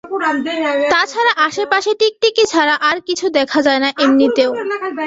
তাছাড়া, আশেপাশে টিকটিকি ছাড়া আর কিছু দেখা যায় না, এমনিতেও।